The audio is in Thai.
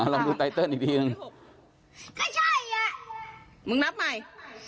น้องอันนี้หนึ่งชื่อไตเติ้ล